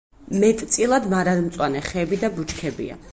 მეტწილად მარადმწვანე ხეები და ბუჩქებია.